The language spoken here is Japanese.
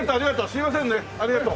すいませんねありがとう！